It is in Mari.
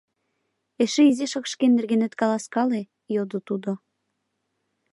— Эше изишак шке нергенет каласкале, — йодо тудо.